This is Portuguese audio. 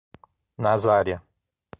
Nazária